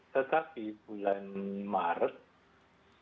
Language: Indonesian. tetapi bulan maret itu dalam ada satu lagi kasus ditemukan di brazil